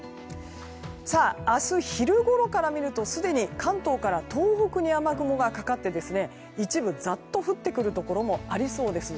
明日昼ごろから見るとすでに関東から東北に雨雲がかかって一部、ザッと降ってくるところもありそうです。